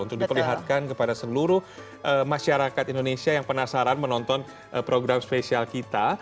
untuk diperlihatkan kepada seluruh masyarakat indonesia yang penasaran menonton program spesial kita